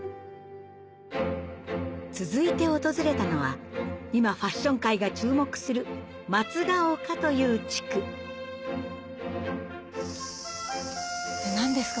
続いて訪れたのは今ファッション界が注目する松ヶ岡という地区何ですか？